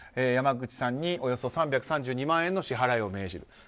山口さんにおよそ３３０万円の支払いを命じる。